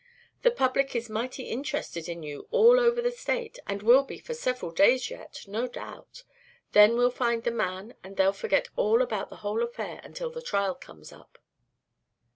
The public is mighty interested in you all over the State and will be for several days yet, no doubt. Then we'll find the man and they'll forget all about the whole affair until the trial comes up."